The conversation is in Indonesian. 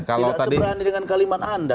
tidak seberani dengan kalimat anda